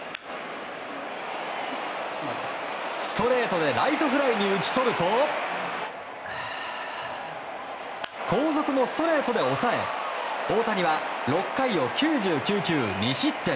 ストレートでライトフライに打ち取ると後続もストレートで抑え大谷は６回を９９球２失点。